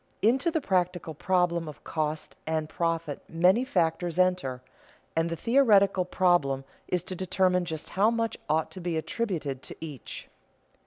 _ Into the practical problem of cost and profit many factors enter, and the theoretical problem is to determine just how much ought to be attributed to each.